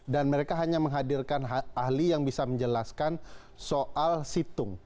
dan mereka hanya menghadirkan ahli yang bisa menjelaskan soal situng